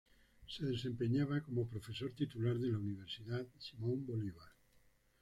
Se desempeñaba como Profesor Titular de la Universidad Simón Bolívar.